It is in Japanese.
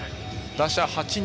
打者８人。